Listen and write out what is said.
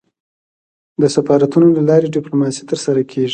د سفارتونو له لاري ډيپلوماسي ترسره کېږي.